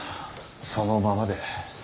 そのままで。